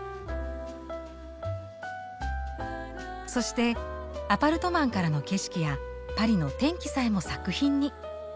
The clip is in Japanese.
そしてアパルトマンからの景色やパリの天気さえも作品に。